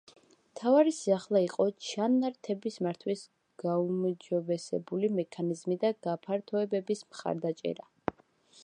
მთავარი სიახლე იყო ჩანართების მართვის გაუმჯობესებული მექანიზმი და გაფართოებების მხარდაჭერა.